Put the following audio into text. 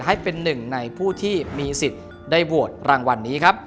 ให้เป็นหนึ่งในผู้ที่มีสิทธิ์ได้โหวตรางวัลนี้ครับ